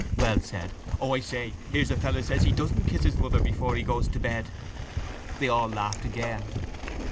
Wells said: —O, I say, here's a fellow says he doesn't kiss his mother before he goes to bed. They all laughed again.